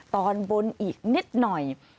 ตอนบนอีกนิดหน่อย